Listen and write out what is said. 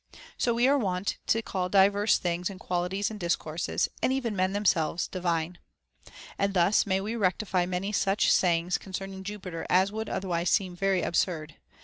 So we are wont to call divers things and qualities and discourses, and even men themselves, divine. And thus may we rectify many such sayings con cerning Jupiter as would otherwise seem very absurd.